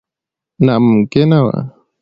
ناممکنه وه.